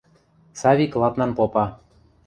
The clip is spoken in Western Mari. Савик ладнан попа.